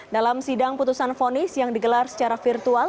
dalam sidang putusan fonis yang digelar secara virtual